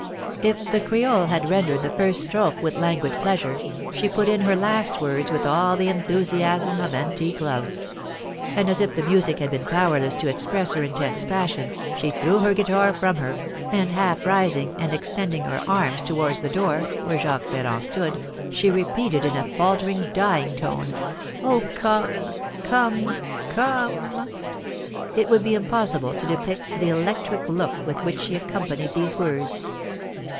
If the creole had rendered the first strophe with languid pleasure, she put in her last words all the enthusiasm of antique love; and as if the music had been powerless to express her intense passion, she threw her guitar from her, and, half rising and extending her arms towards the door, where Jacques Ferrand stood, she repeated, in a faltering, dying tone, "Oh, come come come!" It would be impossible to depict the electric look with which she accompanied these words.